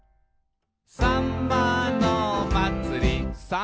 「さんまのまつり」「さん」